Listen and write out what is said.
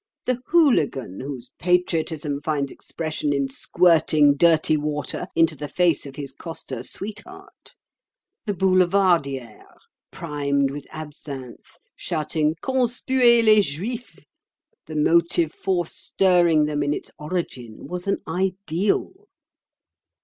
The hooligan, whose patriotism finds expression in squirting dirty water into the face of his coster sweetheart: the boulevardière, primed with absinth, shouting 'Conspuez les Juifs!'—the motive force stirring them in its origin was an ideal.